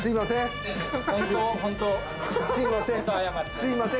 すいません。